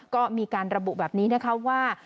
ก็มีการระบุแบบนี้นะคะว่า